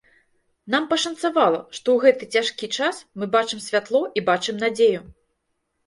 Нам пашанцавала, што ў гэты цяжкі час мы бачым святло і бачым надзею.